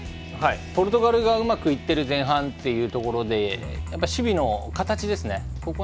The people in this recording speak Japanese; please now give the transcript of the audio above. ポルトガルがうまくいっている前半のところで守備の形ですね。